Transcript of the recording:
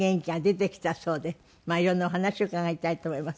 色んなお話伺いたいと思います。